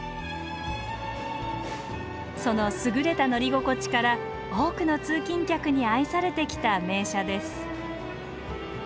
その優れた乗り心地から多くの通勤客に愛されてきた名車です